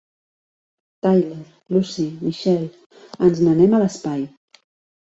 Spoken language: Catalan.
Tyler, Lucy, Michelle, ens n'anem a l'espai!